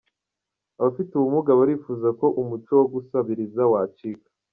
Abafite ubumuga barifuza ko umuco wo gusabiriza wacika